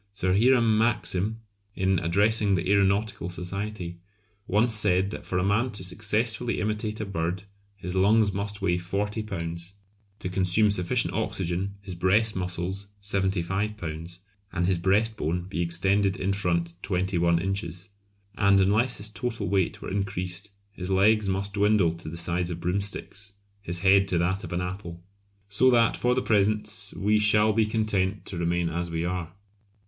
Sir Hiram Maxim, in addressing the Aeronautical Society, once said that for a man to successfully imitate a bird his lungs must weigh 40 lbs., to consume sufficient oxygen, his breast muscles 75 lbs., and his breast bone be extended in front 21 inches. And unless his total weight were increased his legs must dwindle to the size of broomsticks, his head to that of an apple! So that for the present we shall be content to remain as we are!